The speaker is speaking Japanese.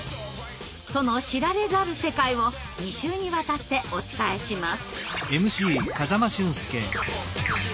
その知られざる世界を２週にわたってお伝えします。